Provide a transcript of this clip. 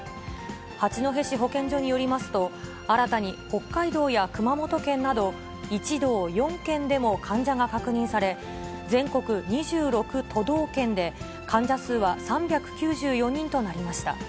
八戸市保健所によりますと、新たに北海道や熊本県など、１道４県でも患者が確認され、全国２６都道県で、患者数は３９４人となりました。